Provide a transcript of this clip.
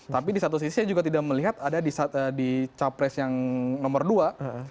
tapi di satu sisi saya juga tidak melihat ada di capres yang nomor dua